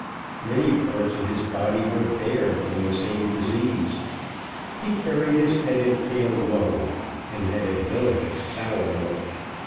Many parts of his body were bared from the same disease. He carried his head and tail low, and had a villanous sour look.